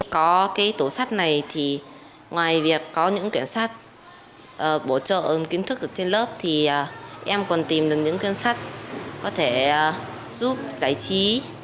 có cái tủ sách này thì ngoài việc có những cảnh sát bổ trợ kiến thức trên lớp thì em còn tìm được những quyên sách có thể giúp giải trí